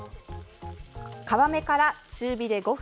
皮目から中火で５分。